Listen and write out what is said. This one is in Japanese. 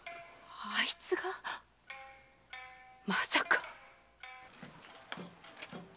あいつが⁉まさか！